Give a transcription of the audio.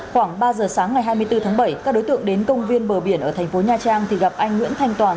khoảng ba giờ sáng ngày hai mươi bốn tháng bảy các đối tượng đến công viên bờ biển ở thành phố nha trang thì gặp anh nguyễn thanh toàn